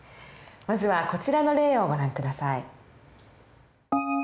まずはこちらの例をご覧下さい。